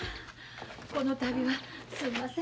この度はすんません